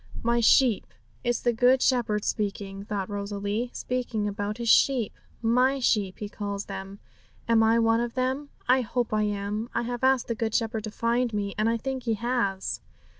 '"My sheep." It's the Good Shepherd speaking,' thought Rosalie, 'speaking about His sheep. "My sheep," He calls them. Am I one of them? I hope I am. I have asked the Good Shepherd to find me, and I think He has.